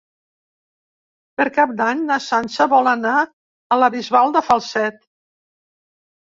Per Cap d'Any na Sança vol anar a la Bisbal de Falset.